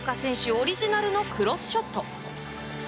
オリジナルのクロスショット。